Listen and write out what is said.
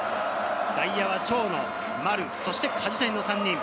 外野は長野、丸、そして梶谷の３人。